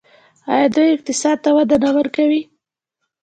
آیا دوی اقتصاد ته وده نه ورکوي؟